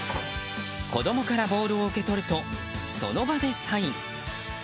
子供からボールを受け取るとその場でサイン。